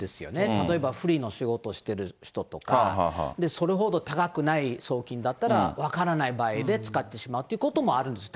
例えばフリーの仕事をしてる人とか、それほど高くない送金だったら分からない場合で使ってしまうということもあるんです。